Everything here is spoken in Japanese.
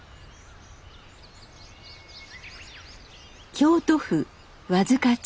京都府和束町。